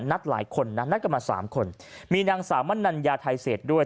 นัดหลายคนนะนัดกันมาสามคนมีนางสาวมนัญญาไทยเศษด้วย